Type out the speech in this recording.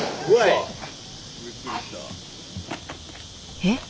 えっ？